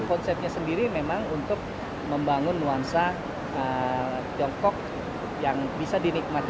konsepnya sendiri memang untuk membangun nuansa tiongkok yang bisa dinikmati